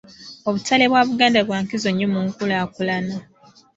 Obutale bwa Buganda bwa nkizo nnyo mu nkulaakulana.